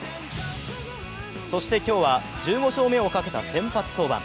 そして今日は、１５勝目をかけた先発登板。